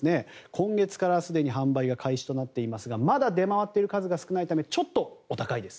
今月からすでに販売が開始となっていますがまだ出回っている数が少ないためにちょっとお高いです。